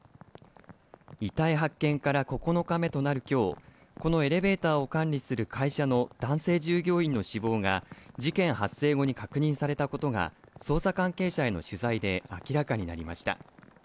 遺体発見から９日目となるきょう、このエレベーターを管理する会社の男性従業員の死亡が、事件発生後に確認されたことが、捜査関係者への取材で明らかになりました。